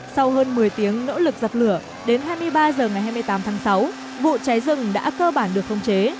sau hơn một mươi tiếng nỗ lực dập lửa đến hai mươi ba h ngày hai mươi tám tháng sáu vụ cháy rừng đã cơ bản được không chế